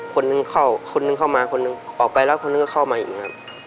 คนหนึ่งเข้าคนนึงเข้ามาคนหนึ่งออกไปแล้วคนนึงก็เข้ามาอีกครับ